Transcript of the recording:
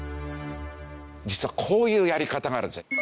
実はこういうやり方があるんです。